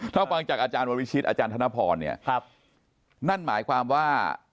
ถ้าฟังจากอาจารย์ววิชิตอาจารย์ธนพรเนี่ยนั่นหมายความว่า